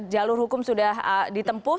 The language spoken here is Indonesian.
jalur hukum sudah ditempuh